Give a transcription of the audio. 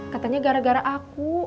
katanya gara gara aku